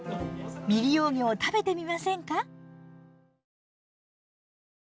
未利用魚を食べてみませんか？